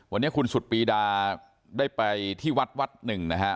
วันนี้คุณสุดปีดาได้ไปที่วัดวัดหนึ่งนะฮะ